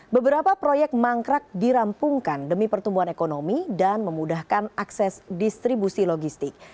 beberapa proyek mangkrak dirampungkan demi pertumbuhan ekonomi dan memudahkan akses distribusi logistik